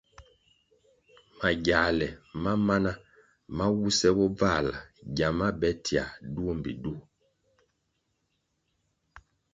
Magyāle ma mana ma wuse bobvāla gyama be tiā duo mbpi duo.